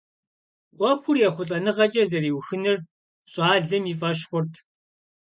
Ӏуэхур ехъулӀэныгъэкӀэ зэриухынур щӀалэм и фӀэщ хъурт.